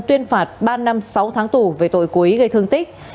tuyên phạt ba năm sáu tháng tù về tội cố ý gây thương tích